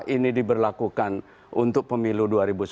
ini diberlakukan untuk pemilu